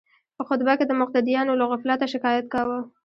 په خطبه کې د مقتدیانو له غفلته شکایت کاوه.